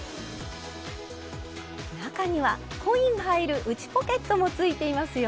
中にはコインが入る内ポケットもついていますよ。